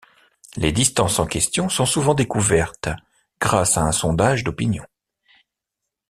Les distances en question sont souvent découvertes grâce à un sondage d'opinion.